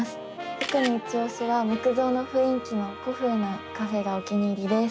特にいちオシは木造の雰囲気の古風なカフェがお気に入りです。